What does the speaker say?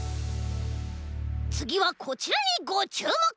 つぎはこちらにごちゅうもく！